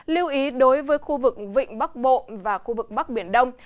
lưu ý đối với khu vực vịnh bắc bộ và khu vực bắc biển đông